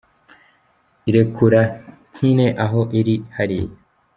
Irekura nk'ine aho iri hariya